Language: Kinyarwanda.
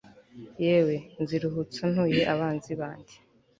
yewe, nziruhutsa ntuye abanzi banjye